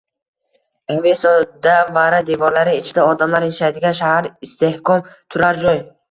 “Avesto”da vara – devorlari ichida odamlar yashaydigan shahar, istehkom, turar joy.